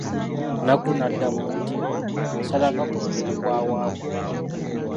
Nakku n'addamu nti, saalanga ku buliri bwa Wambwa.